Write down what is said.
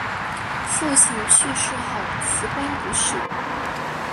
父亲去世后辞官不仕。